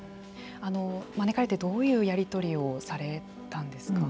招かれてどういうやり取りをされたんですか。